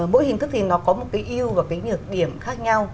mỗi hình thức thì nó có một cái yêu và cái nhược điểm khác nhau